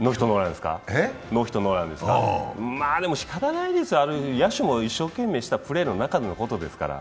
ノーヒットノーランですか、でも、しかたないですよ、野手も一生懸命したプレーの中ですから。